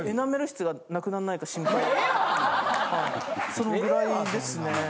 そのぐらいですね。